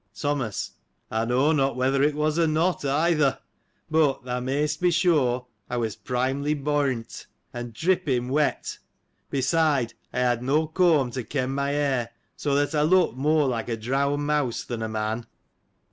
Thomas. — I know not whether it was or not — either. But, thou mayst be sure I was primely boyrnt^ and dripping wet. Beside, I had no comb to kem^ my hair, so, that I looked more like a drowned mouse than a man.